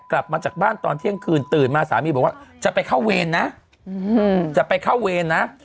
กลับมาจากบ้านตอนเที่ยงคืนตื่นมาสามีบอกว่าจะไปเข้าเวรนะ